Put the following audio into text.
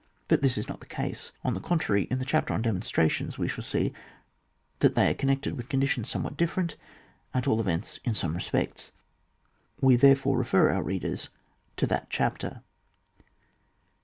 But this is not the case : on the contrary, in the chapter on demon strations we shall see that they are con nected with conditions somewhat dif ferent, at all events in some respects, we therefore refer our readers to that chapter.